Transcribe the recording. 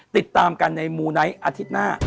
ติดตามกันในมูไนท์อาทิตย์หน้า